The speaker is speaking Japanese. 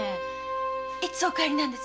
いつお帰りなんです？